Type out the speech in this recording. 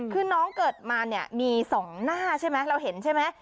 คือน้องเกิดมาเนี่ยมี๒หน้าใช่ไหมเราเห็นใช่ไหม